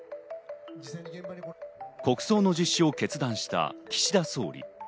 国葬の実施を決断した岸田総理。